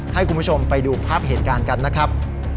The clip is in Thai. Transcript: ให้คุณผู้ชมไปดูภาพเหตุการณ์กันนะครับ